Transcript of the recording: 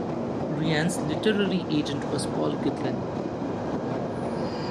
Ryan's literary agent was Paul Gitlin.